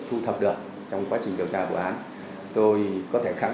thu thập được trong quá trình điều tra vụ án tôi có thể khẳng